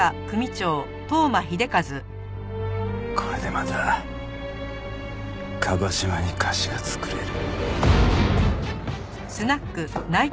これでまた椛島に貸しが作れる。